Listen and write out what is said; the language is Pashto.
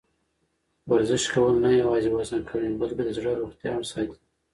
ورزش کول نه یوازې وزن کموي، بلکې د زړه روغتیا هم ساتي.